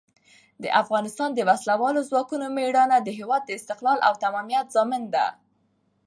د افغانستان د وسلوالو ځواکونو مېړانه د هېواد د استقلال او تمامیت ضامن ده.